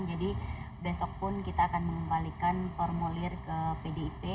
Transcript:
jadi besok pun kita akan mengembalikan formulir ke pdip